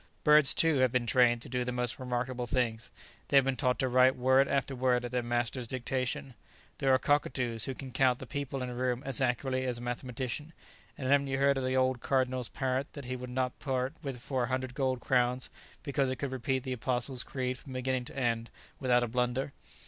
Birds, too, have been trained to do the most remarkable things; they have been taught to write word after word at their master's dictation; there are cockatoos who can count the people in a room as accurately as a mathematician; and haven't you heard of the old Cardinal's parrot that he would not part with for a hundred gold crowns because it could repeat the Apostles' creed from beginning to end without a blunder?